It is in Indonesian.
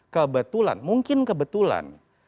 kebetulan mungkin kebetulan